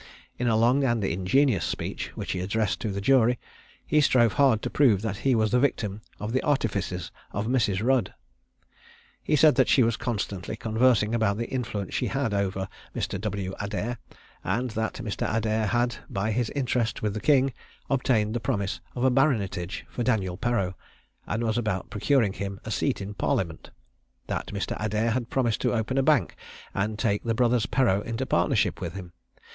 In a long and ingenious speech, which he addressed to the jury, he strove hard to prove that he was the victim of the artifices of Mrs. Rudd. He said that she was constantly conversing about the influence she had over Mr. W. Adair; and that Mr. Adair had, by his interest with the king, obtained the promise of a baronetage for Daniel Perreau, and was about procuring him a seat in parliament. That Mr. Adair had promised to open a bank, and take the brothers Perreau into partnership with him.